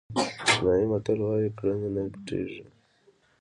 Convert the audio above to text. چینایي متل وایي کړنې نه پټېږي.